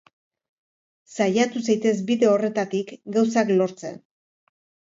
Saiatu zaitez bide horretatik gauzak lortzen.